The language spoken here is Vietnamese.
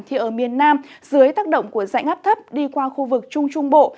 thì ở miền nam dưới tác động của dãy ngắp thấp đi qua khu vực trung trung bộ